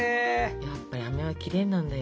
やっぱりあめはきれいなんだよ。